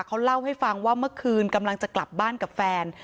เขาเล่าให้ฟังว่าเมื่อคืนกำลังจะกลับบ้านกับแฟน